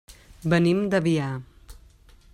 Venim d'Avià.